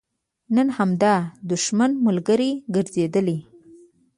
نن همدا دښمن ملګری ګرځېدلی.